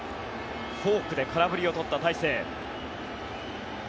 フォークで空振りを取った大勢。